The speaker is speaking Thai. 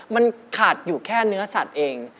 มันขาดอยู่แค่เนื้อสัตว์เอง